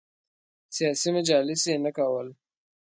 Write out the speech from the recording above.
سیاسي مجالس یې نه کول.